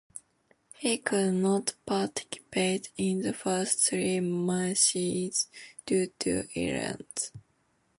He could not participate in the first three matches due to illness.